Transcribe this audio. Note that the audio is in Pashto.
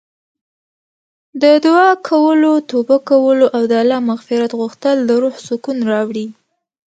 د دعا کولو، توبه کولو او د الله مغفرت غوښتل د روح سکون راوړي.